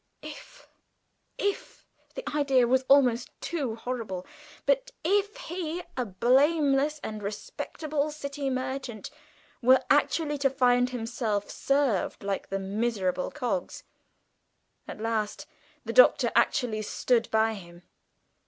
If if the idea was almost too horrible but if he, a blameless and respectable city merchant, were actually to find himself served like the miserable Coggs! At last the Doctor actually stood by him.